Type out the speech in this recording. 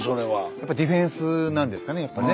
やっぱディフェンスなんですかねやっぱね。